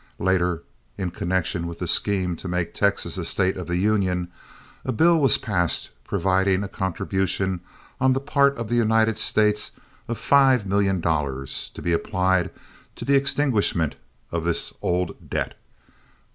Later, in connection with the scheme to make Texas a State of the Union, a bill was passed providing a contribution on the part of the United States of five million dollars, to be applied to the extinguishment of this old debt.